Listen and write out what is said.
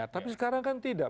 tapi sekarang kan tidak